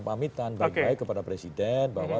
meminta dan baik baik kepada presiden bahwa